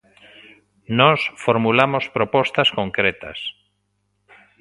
Nós formulamos propostas concretas.